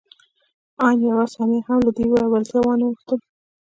آن يوه ثانيه هم له دې لېوالتیا وانه وښتم.